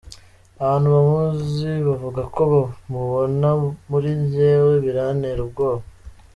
Abantu bamuzi bavuga ko bamubona muri jewe, birantera ubwoba.